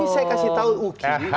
ini saya kasih tau uki